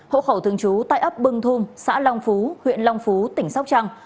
hộ khẩu thường trú tại ấp bưng thung xã long phú huyện long phú tỉnh sóc trăng